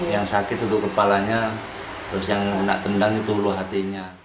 yang sakit itu kepalanya terus yang nak tendang itu ulu hatinya